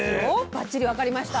ばっちり分かりました。